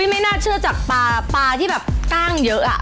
ไม่น่าเชื่อจากปลาปลาที่แบบกล้างเยอะ